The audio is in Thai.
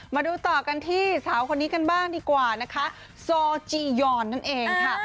มาดูต่อกันที่สาวคนนี้กันบ้างดีกว่านะคะโซจียอนนั่นเองค่ะ